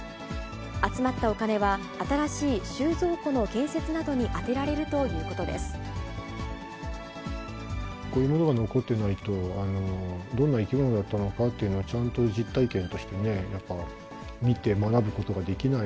集まったお金は新しい収蔵庫の建設などに充てられるということでこういうものが残ってないと、どんな生き物だったのかっていうのが、ちゃんと実体験としてね、やっぱ見て学ぶことができない。